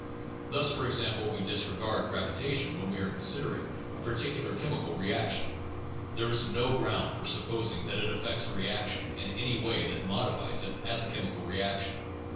Thus, for example, we disregard gravitation when we are considering a particular chemical reaction ; there is no ground for supposing that it affects a reaction in any way that modifies it as a chemical reaction.